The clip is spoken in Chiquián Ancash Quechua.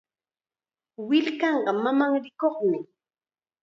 Willkanqa mamanrikuqmi.